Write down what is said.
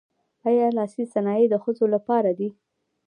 آیا لاسي صنایع د ښځو لپاره دي؟